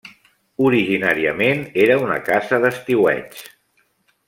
Originàriament era una casa d'estiueig.